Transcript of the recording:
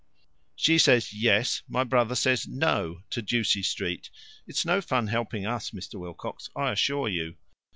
"She says 'Yes,' my brother says 'No,' to Ducie Street. It's no fun helping us, Mr. Wilcox, I assure you."